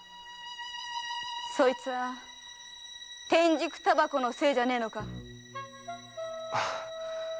そいつは天竺煙草のせいじゃねえのかい？